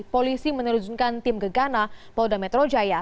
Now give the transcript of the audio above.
polisi menerjunkan tim gegana polda metro jaya